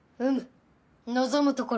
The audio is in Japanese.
望むところぞ。